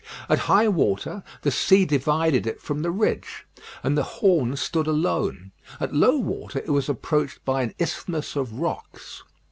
At high water the sea divided it from the ridge, and the Horn stood alone; at low water it was approached by an isthmus of rocks.